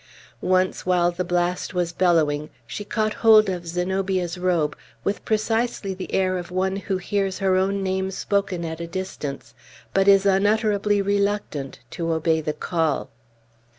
Once, while the blast was bellowing, she caught hold of Zenobia's robe, with precisely the air of one who hears her own name spoken at a distance, but is unutterably reluctant to obey the call.